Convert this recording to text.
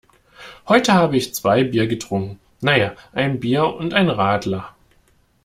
Heute habe ich zwei Bier getrunken. Na ja, ein Bier und ein Radler.